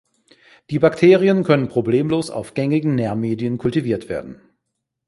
Die Bakterien können problemlos auf gängigen Nährmedien kultiviert werden.